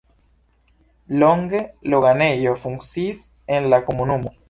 Longe doganejo funkciis en la komunumo.